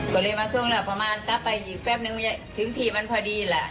ก็เลยมาช่วงแล้วประมาณถ้าไปอีกแป๊บนึงถึงทีมันพอดีแหละ